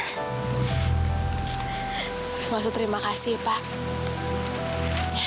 maksud terima kasih pak